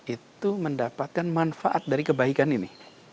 itu mendapatkan manfaat dari kebaikan ini